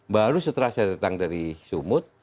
baru setelah saya datang dari sumut